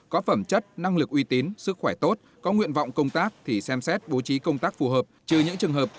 có phẩm chất năng lực uy tín sức khỏe tốt có nguyện vọng công tác thì xem xét bố trí công tác phù hợp